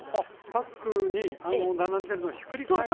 パックに並んでるのをひっくり返しながら。